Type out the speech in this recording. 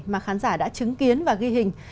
mà khán giả đã chứng kiến và ghi hình